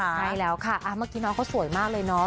ใช่แล้วค่ะเมื่อกี้น้องเขาสวยมากเลยเนาะ